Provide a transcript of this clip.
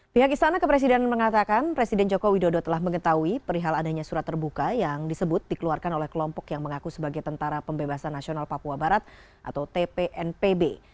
pihak istana kepresiden mengatakan presiden jokowi dodo telah mengetahui perihal adanya surat terbuka yang disebut dikeluarkan oleh kelompok yang mengaku sebagai tentara pembebasan nasional papua barat atau tpnpb